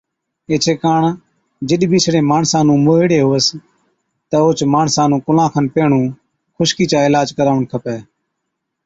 ايڇي ڪاڻ جِڏ بِي اِسڙي ماڻسا نُون موهِيڙي هُوس تہ اوهچ ماڻسا نُون ڪُلان کن پيهڻُون خشڪِي چا عِلاج ڪراوَڻ کپَي۔